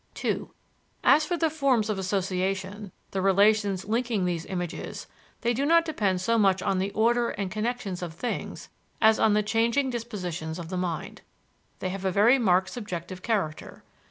(2) As for the forms of association, the relations linking these images, they do not depend so much on the order and connections of things as on the changing dispositions of the mind. They have a very marked subjective character.